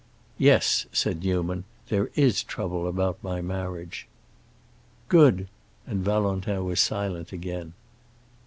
"Yes," said Newman. "There is trouble about my marriage." "Good!" And Valentin was silent again.